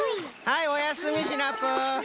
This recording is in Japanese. はいおやすみシナプー！